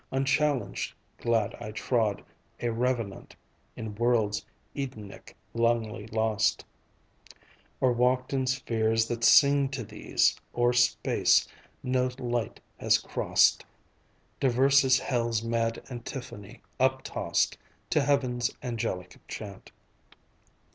Unchallenged, glad I trod, a revenant In worlds Edenic longly lost; Or walked in spheres that sing to these, O'er space no light has crossed, Diverse as Hell's mad antiphone uptossed To Heaven's angelic chant.